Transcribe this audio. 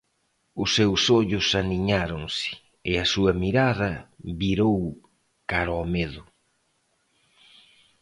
Os seus ollos aniñáronse e a súa mirada virou cara ao medo.